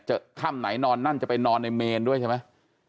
ค่ำไหนนอนนั่นจะไปนอนในเมนด้วยใช่ไหม